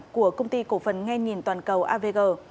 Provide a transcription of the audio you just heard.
của công ty cổ phần nghe nhìn toàn cầu avg